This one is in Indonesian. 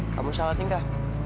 kamu salating kak